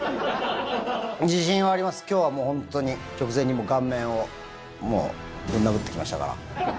自信はあります、きょうはもう本当に、直前に顔面を、もう、ぶん殴ってきましたから。